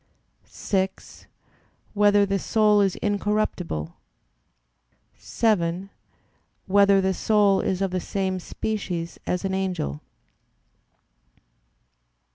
(6) Whether the soul is incorruptible? (7) Whether the soul is of the same species as an angel?